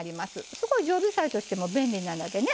すごい常備菜としても便利なのでね